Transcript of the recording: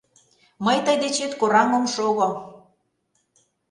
Мый тый дечет кораҥ ом шого